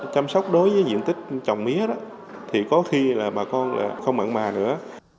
chăm sóc đối với diện tích trồng mía đó thì có khi là bà con không mặn mà nữa